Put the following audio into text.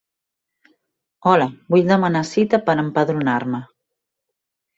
Hola, vull demanar cita per empadronar-me.